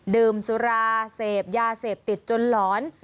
ดื่มสุราเสพยาเสพติดจนหลอน